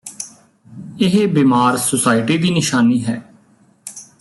ਇਹ ਬੀਮਾਰ ਸੁਸਾਇਟੀ ਦੀ ਨਿਸ਼ਾਨੀ ਹੈ